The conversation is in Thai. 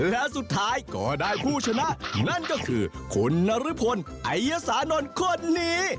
และสุดท้ายก็ได้ผู้ชนะนั่นก็คือคุณนรพลไอยสานนท์คนนี้